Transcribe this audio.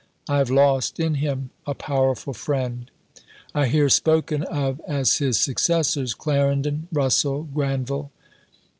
I have lost, in him, a powerful friend. I hear spoken of as his successors Clarendon, Russell, Granville.